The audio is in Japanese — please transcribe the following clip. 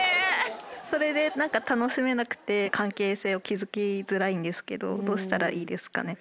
それで何か楽しめなくて関係性を築きづらいんですけどどうしたらいいですかね？